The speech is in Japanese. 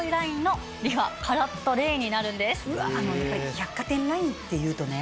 百貨店ラインっていうとね